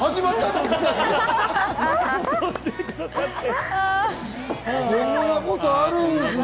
こんなことあるんですね。